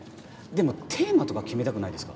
でもテーマとか決めたくないですか。